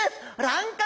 乱獲。